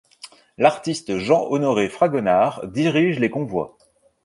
L'artiste Jean-Honoré Fragonard dirige les convois.